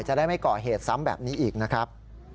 จะได้ไม่ก่อเหตุซ้ำแบบนี้อีกนะครับ